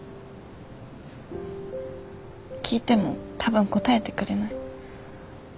聞いても多分答えてくれない。